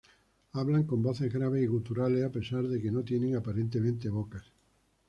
Hablan con voces graves y guturales a pesar de que no tienen aparentemente bocas.